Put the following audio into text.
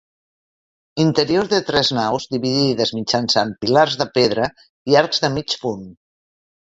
Interior de tres naus, dividides mitjançant pilars de pedra i arcs de mig punt.